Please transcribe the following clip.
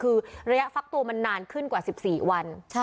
คือระยะฟักตัวมันนานขึ้นกว่า๑๔วัน